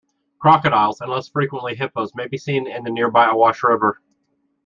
Crocodiles and, less frequently, hippos may be seen in the nearby Awash River.